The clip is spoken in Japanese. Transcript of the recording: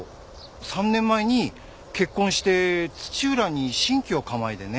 ３年前に結婚して土浦に新居を構えてね。